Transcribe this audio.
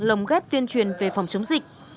lồng ghép tuyên truyền về phòng chống dịch